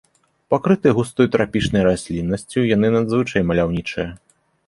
Пакрытыя густой трапічнай расліннасцю, яны надзвычай маляўнічыя.